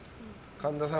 神田さん